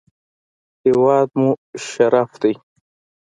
هېواد مو شرف دی